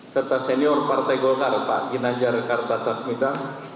serta senior partai golkar pak ginajar kartasasmita